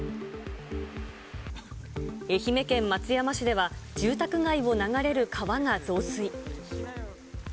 愛媛県松山市では、住宅街を流れる川が増水。